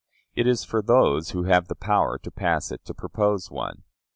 It is for those who have the power to pass it to propose one.